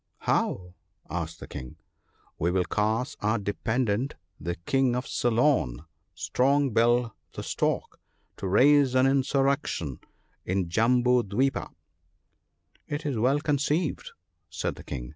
' How ?' asked the King. 'We will cause our dependant the King of Ceylon, Strong bill the Stork, to raise an insurrection in Jambu dwipa.' ' It is well conceived/ said the King.